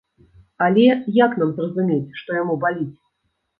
Але як нам зразумець, што яму баліць?